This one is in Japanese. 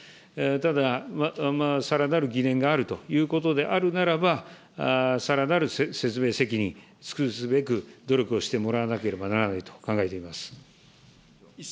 ただ、さらなる疑念があるということであるならば、さらなる説明責任尽くすべく、努力をしてもらわなければならないと考えています。